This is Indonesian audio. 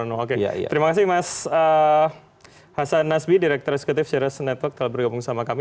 oke terima kasih mas hasan nasbi direktur eksekutif sheros network telah bergabung sama kami